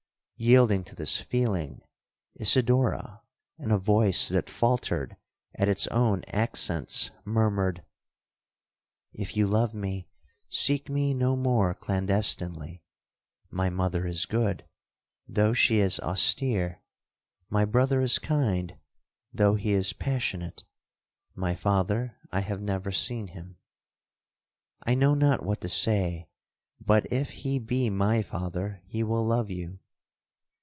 Yielding to this feeling, Isidora, in a voice that faultered at its own accents, murmured, 'If you love me, seek me no more clandestinely. My mother is good, though she is austere—my brother is kind, though he is passionate—my father—I have never seen him! I know not what to say, but if he be my father, he will love you.